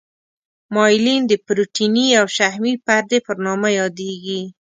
مایلین د پروتیني او شحمي پردې په نامه یادیږي.